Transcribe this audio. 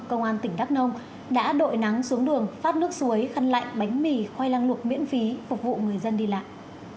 công an tỉnh đắk nông đã đội nắng xuống đường phát nước suối khăn lạnh bánh mì khoai lang luộc miễn phí phục vụ người dân đi lại